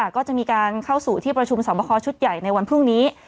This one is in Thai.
ก็จะมีการเข้าสู่ที่ประชุมสอบคอชุดใหญ่ในวันพรุ่งนี้